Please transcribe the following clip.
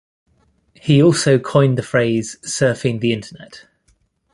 He also coined the phrase surfing the Internet.